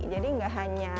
jadi nggak hanya